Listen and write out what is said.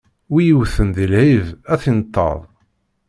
Wi iwwten di lɛib, ad t-inṭeḍ.